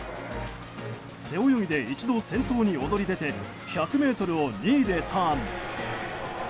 背泳ぎで一度先頭に躍り出て１００ｍを２位でターン。